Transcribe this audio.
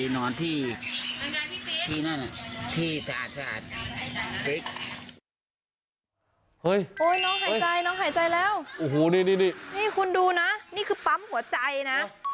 น้องหายใจแล้วคุณดูนะนี่คือปั๊มหัวใจนะ